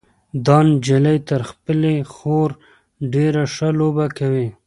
دا نجلۍ تر خپلې خور ډېره ښه لوبه کوي.